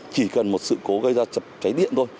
chỉ cần một sự cố gây ra chập cháy điện thôi